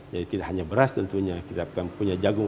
jadi tidak hanya beras tentunya